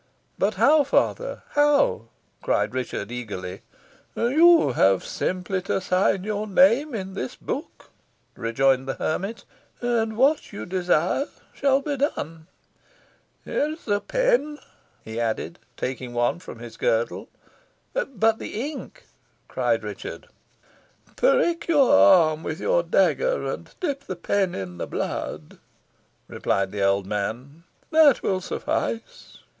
"But how, father how?" cried Richard, eagerly. "You have simply to sign your name in this book," rejoined the hermit, "and what you desire shall be done. Here is a pen," he added, taking one from his girdle. "But the ink?" cried Richard. "Prick your arm with your dagger, and dip the pen in the blood," replied the old man. "That will suffice."